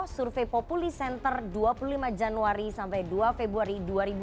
survei populi center dua puluh lima januari sampai dua februari dua ribu dua puluh